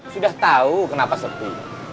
sudah tahu kenapa sepi